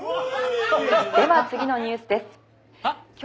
「では次のニュースです」